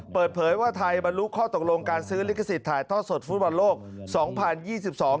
เปิดเผยว่าไทยบรรลุข้อตกลงการซื้อลิขสิทธิ์ถ่ายทอดสดฟุตบอลโลกสองพันยี่สิบสอง